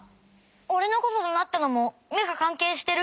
おれのことどなったのもめがかんけいしてる？